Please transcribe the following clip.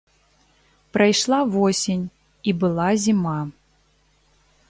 Прайшла восень, і была зіма.